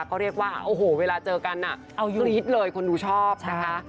ก็เรียกว่าโอ้โหเวลาเจอกันเอากรี๊ดเลยคนดูชอบนะคะ